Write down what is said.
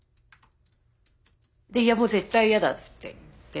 でいやもう絶対嫌だって言って。